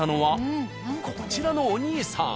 こちらのおにいさん。